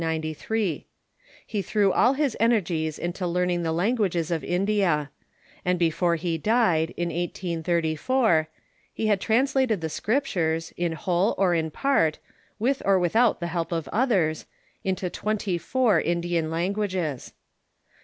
lie threw all his energies into learning the languages of India ; and before he died, in 1834, he had translated the Scriptures, in whole or in part, with or without the help of others, into twentj^ four Ind ian languages.